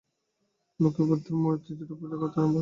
লোকে বুদ্ধের মূর্তি গড়ে পূজা করতে আরম্ভ করলে।